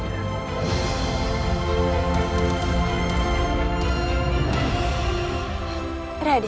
dimana pasangannya berada